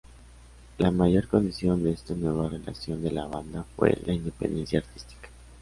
La mayor condición de esta nueva relación de la banda fue la independencia artística.